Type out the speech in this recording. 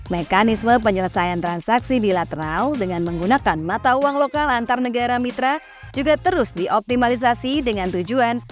mekanisme penyelesaian transaksi bilateral dengan menggunakan mata uang lokal antar negara mitra juga terus dioptimalisasi dengan tujuan